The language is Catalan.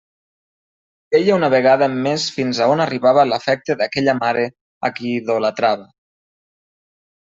Veia una vegada més fins a on arribava l'afecte d'aquella mare a qui idolatrava.